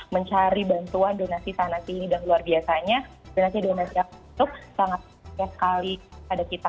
mencari bantuan donasi sana sini dan luar biasanya donasi donasi yang cukup sangat sekali pada kita